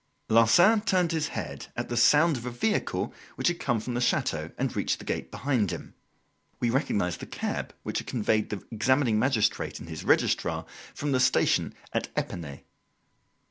Larsan turned his head at the sound of a vehicle which had come from the chateau and reached the gate behind him. We recognised the cab which had conveyed the examining magistrate and his Registrar from the station at Epinay.